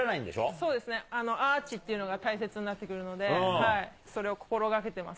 そうですね、アーチっていうのが大切になってくるので、それを心がけてます。